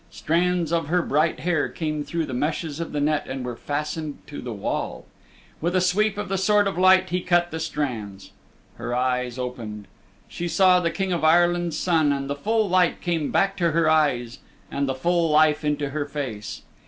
Strands of her bright hair came through the meshes of the net and were fastened to the wall. With a sweep of the Sword of Light he cut the strands. Her eyes opened. She saw the King of Ireland's Son, and the full light came back to her eyes, and the full life into her face.